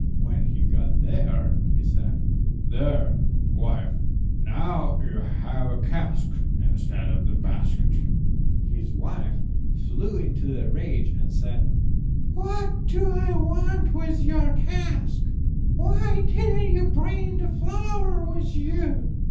When he got there, he said— "There, wife, now you have a cask instead of the basket." His wife flew into a rage, and said— "What do I want with your cask? Why didn't you bring the flour with you?"